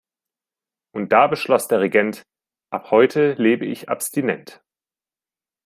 Und da beschloss der Regent: Ab heute lebe ich abstinent.